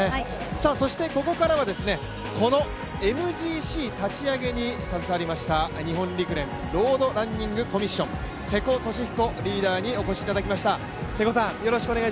ここからはこのＭＧＣ立ち上げに携わりました日本陸連ロードランニングコミッション、瀬古利彦リーダーにお越しいただきました。